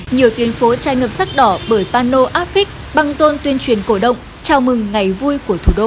nhiều tuyên phố trai ngập sắc đỏ bởi pano afric băng rôn tuyên truyền cổ động chào mừng ngày vui của thủ đô